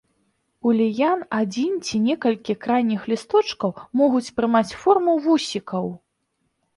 У ліян адзін ці некалькі крайніх лісточкаў могуць прымаць форму вусікаў.